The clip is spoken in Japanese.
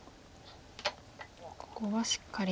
ここはしっかり出てと。